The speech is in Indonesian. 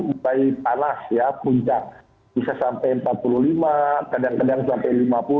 mulai panas ya puncak bisa sampai empat puluh lima kadang kadang sampai lima puluh